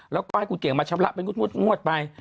แล้วก็ให้คุณเก่งมาชำระเป็นงวดไป